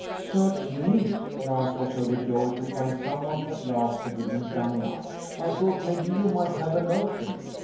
"Search me." Lance was overjoyed to find someone, at last, who didn't dummy up. "I thought maybe you might have a notion."